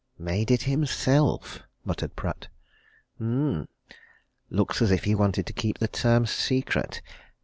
"Made it himself!" muttered Pratt. "Um! looks as if he wanted to keep the terms secret.